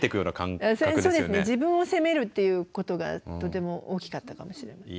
自分を責めるっていうことがとても大きかったかもしれません。